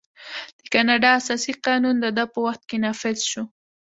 د کاناډا اساسي قانون د ده په وخت کې نافذ شو.